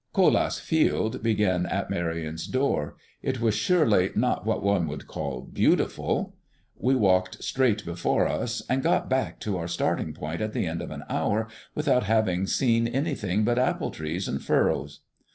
Colas' field began at Marion's door. It was surely not what one would call beautiful. We walked straight before us, and got back to our starting point at the end of an hour without having seen anything but apple trees and furrows.